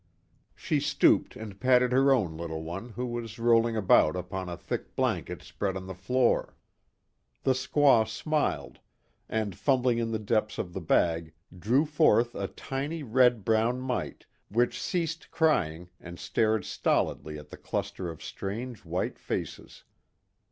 She stooped and patted her own little one who was rolling about upon a thick blanket spread on the floor. The squaw smiled, and fumbling in the depths of the bag drew forth a tiny brown red mite which ceased crying and stared stolidly at the cluster of strange white faces.